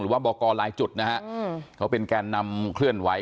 ว่าบอกกรหลายจุดนะฮะเขาเป็นแกนนำเคลื่อนไหว